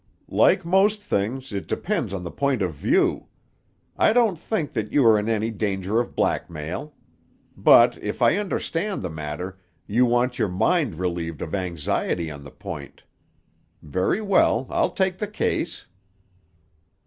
"Like most things, it depends on the point of view. I don't think that you are in any danger of blackmail. But, if I understand the matter, you want your mind relieved of anxiety on the point. Very well, I'll take the case."